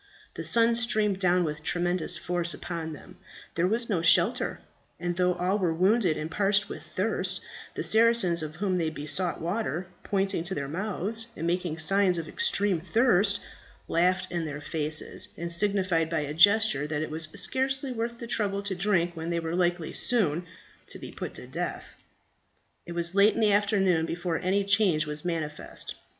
The sun streamed down with tremendous force upon them; there was no shelter; and though all were wounded and parched with thirst, the Saracens of whom they besought water, pointing to their mouths and making signs of their extreme thirst, laughed in their faces, and signified by a gesture that it was scarcely worth the trouble to drink when they were likely so soon to be put to death. It was late in the afternoon before any change was manifest.